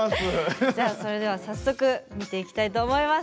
それでは早速見ていきたいと思います。